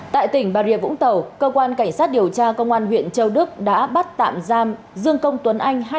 tại tỉnh bà rịa vũng tàu cơ quan cảnh sát điều tra công an huyện châu đức đã bắt tạm giam dương công tuấn anh